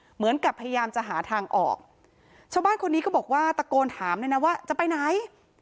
เหมือนกับพยายามจะหาทางออกชาวบ้านคนนี้ก็บอกว่าตะโกนถามเลยนะว่าจะไปไหน